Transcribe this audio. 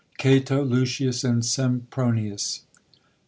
Cato, Lucius, and Sempronius.